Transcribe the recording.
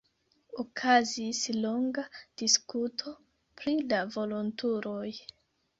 Okazis longa diskuto pri la volontuloj.